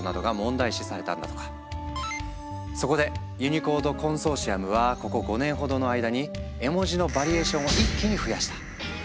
そこでユニコード・コンソーシアムはここ５年ほどの間に絵文字のバリエーションを一気に増やした。